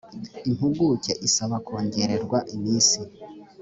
impuguke isaba kongererwa iminsi